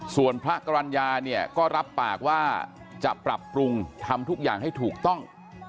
ส่วนพระกรรณญาเนี่ยก็รับปากว่าจะปรับปรุงทำทุกอย่างให้ถูกต้อง